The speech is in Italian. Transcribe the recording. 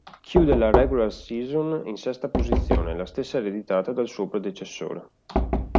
Chiude la regular season in sesta posizione, la stessa ereditata dal suo predecessore.